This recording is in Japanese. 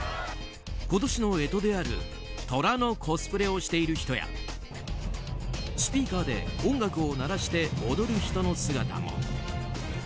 今年の干支であるトラのコスプレをしている人やスピーカーで音楽を鳴らして踊る人の姿も。